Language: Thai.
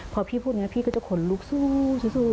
พอพี่พูดอย่างนั้นพี่ก็จะขนลุกสู้สู้สู้